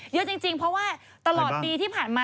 เยอะจริงเพราะว่าตลอดปีที่ผ่านมา